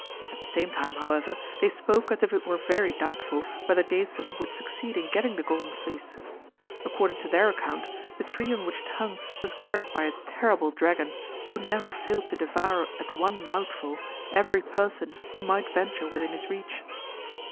At the same time, however, they spoke as if it were very doubtful whether Jason would succeed in getting the Golden Fleece. According to their account, the tree on which it hung was guarded by a terrible dragon, who never failed to devour at one mouthful every person who might venture within his reach.